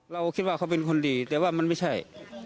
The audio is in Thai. เราคิดว่าเขาเป็นคนดีแต่ว่ามันไม่ใช่